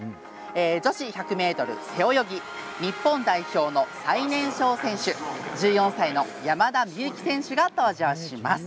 女子１００ｍ背泳ぎ日本代表の最年少選手１４歳の山田美幸選手が登場します。